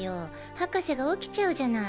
博士が起きちゃうじゃない。